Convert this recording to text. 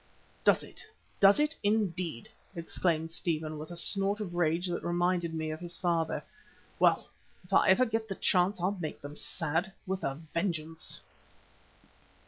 "Does it? Does it indeed?" exclaimed Stephen with a snort of rage that reminded me of his father. "Well, if ever I get a chance I'll make them sad with a vengeance."